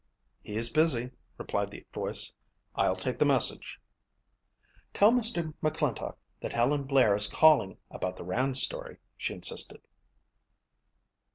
"He's busy," replied the voice. "I'll take the message." "Tell Mr. McClintock that Helen Blair is calling about the Rand story," she insisted.